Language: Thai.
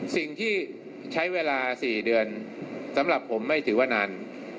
สิ่งที่ใช้เวลา๔เดือนสำหรับผมไม่ถือว่านาน